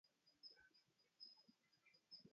أبا الصقر لست أرى مهديا